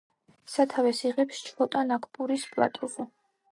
სათავეს იღებს ჩჰოტა-ნაგპურის პლატოზე.